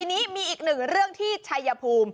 ทีนี้มีอีกหนึ่งเรื่องที่ชัยภูมิ